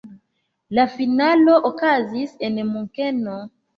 La finalo okazis en Munkeno.